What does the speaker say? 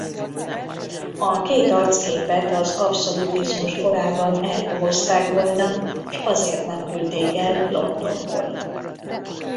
A két arcképet az abszolutizmus korában elkobozták volna s azért nem küldték el Londonból.